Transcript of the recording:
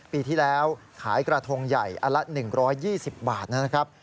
ปีที่แล้วขายกระทงใหญ่อันละ๑๒๐บาทนะครับ